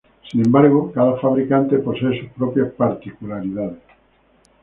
Sin embargo, cada fabricante posee sus propias particularidades.